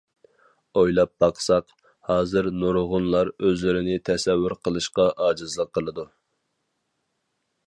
ئويلاپ باقساق، ھازىر نۇرغۇنلار ئۆزلىرىنى تەسەۋۋۇر قىلىشقا ئاجىزلىق قىلىدۇ.